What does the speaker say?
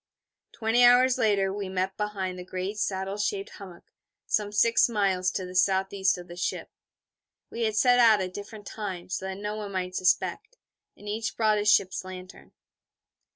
Twenty hours later we met behind the great saddle shaped hummock, some six miles to the S.E. of the ship. We had set out at different times, so that no one might suspect. And each brought a ship's lantern.